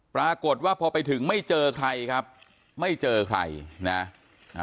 ปรากฏว่าพอไปถึงไม่เจอใครครับไม่เจอใครนะอ่า